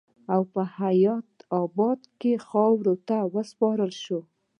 او پۀ حيات اباد کښې خاورو ته وسپارل شو